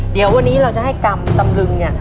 เดี๋ยววันนี้เราจะให้กรรมตำลึงเนี่ย